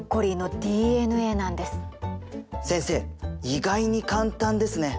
意外に簡単ですね。